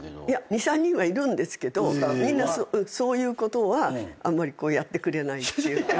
２３人はいるんですけどみんなそういうことはあんまりやってくれないっていうか。